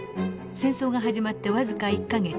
戦争が始まって僅か１か月。